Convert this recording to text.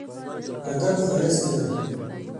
ادب ښايست دی.